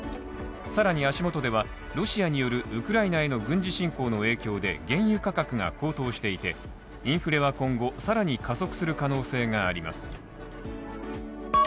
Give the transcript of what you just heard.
更に足元では、ロシアによるウクライナへの軍事侵攻の影響で原油価格が高騰していて、インフレは今後、更に加速する可能性があります。